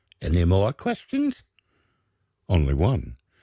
Any more questions?" "Only one.